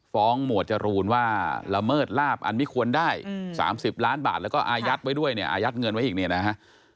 ฟ้องหมวดจรูนว่าละเมิดลาบอันไม่ควรได้๓๐ล้านบาทแล้วก็อายัดเงินไว้อีกเนี่ยนะฮะ